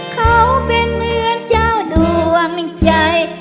เขาเป็นเหมือนเจ้าดวงใจ